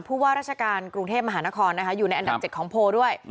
ผู้ว่าราชการกรุงเทพมหานครอยู่ในอันดับ๗ของโพลด้วย